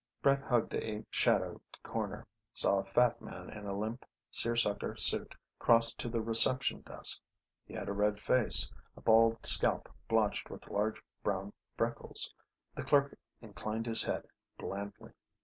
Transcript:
Brett hugged a shadowed corner, saw a fat man in a limp seersucker suit cross to the reception desk. He had a red face, a bald scalp blotched with large brown freckles. The clerk inclined his head blandly.